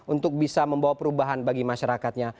untuk bisa membawa perubahan bagi masyarakatnya